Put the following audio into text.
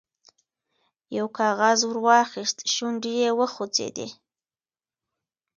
یو کاغذ ور واخیست، شونډې یې وخوځېدې.